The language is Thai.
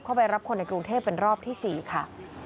เข้าไปรับคนในกรุงเทพเป็นรอบที่๔ค่ะ